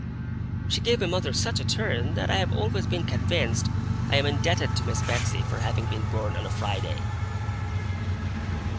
She gave my mother such a turn, that I have always been convinced I am indebted to Miss Betsey for having been born on a Friday.